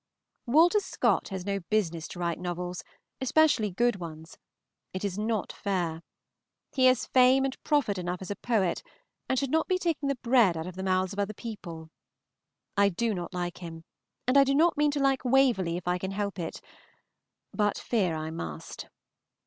Walter Scott has no business to write novels, especially good ones. It is not fair. He has fame and profit enough as a poet, and should not be taking the bread out of the mouths of other people. I do not like him, and do not mean to like "Waverley" if I can help it, but fear I must.